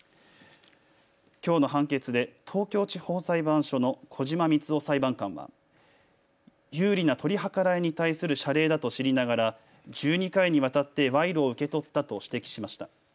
きょうの判決で東京地方裁判所の兒島光夫裁判官は有利な取り計らいに対する謝礼だと知りながら１２回にわたって賄賂を受け取ったと指摘しました。